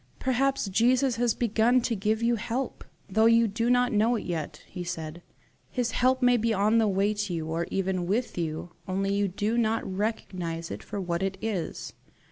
"Perhaps Jesus has begun to give you help, though you do not know it yet," he said, "His help may be on the way to you, or even with you, only you do not recognize it for what it is.